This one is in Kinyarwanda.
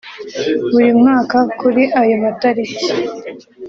Buri mwaka kuri ayo matariki